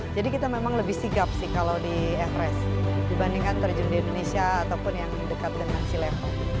jadi kita memang lebih sigap sih kalau di everest dibandingkan terjun di indonesia ataupun yang dekat dengan si level